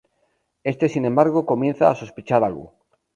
Éste, sin embargo, comienza a sospechar algo.